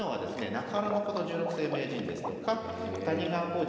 中原誠十六世名人ですとか谷川浩司